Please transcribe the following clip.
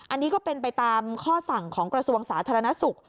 อันนี้ก็เป็นไปตามข้อสั่งของกระทรวงสาธารณสุข